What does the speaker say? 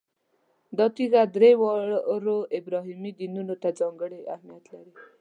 دا تیږه درې واړو ابراهیمي دینونو ته ځانګړی اهمیت لري.